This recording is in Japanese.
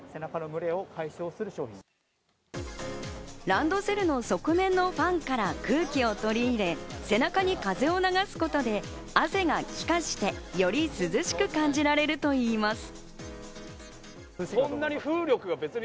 ランドセルの側面のファンから空気をとり入れ、背中に風を流すことで汗が気化して、より涼しく感じられるといいます。